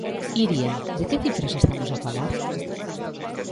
Iria, de que cifras estamos a falar?